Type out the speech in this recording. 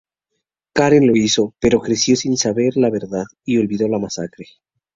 Karen lo hizo pero creció sin saber la verdad y olvidó la masacre.